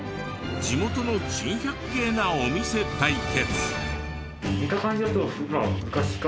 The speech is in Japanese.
地元の珍百景なお店対決。